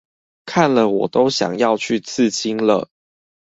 看了我都想要去刺青了